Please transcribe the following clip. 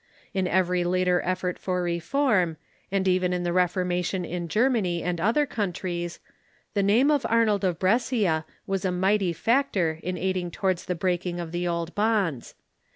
In every later effort for reform, and even in the Reformation in Germany and other countries, the name of Arnold of Brescia was a mighty factor in aiding towards the breaking of the old bonds.